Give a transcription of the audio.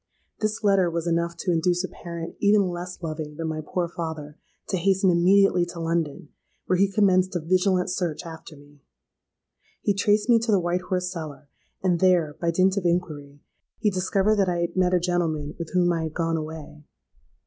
This letter was enough to induce a parent even less loving than my poor father, to hasten immediately to London, where he commenced a vigilant search after me. He traced me to the White Horse Cellar; and there, by dint of inquiry, he discovered that I had met a gentleman with whom I had gone away.